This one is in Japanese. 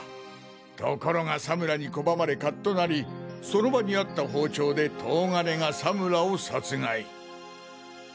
ところが佐村に拒まれカッとなりその場にあった包丁で東金が佐村を殺害。